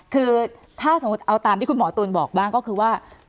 คือถ้าสมมุติเอาตามที่คุณหมอตูนบอกบ้างก็คือว่า